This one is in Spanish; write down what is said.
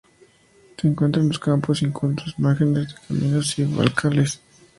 Se encuentra en los campos incultos, márgenes de caminos y bancales.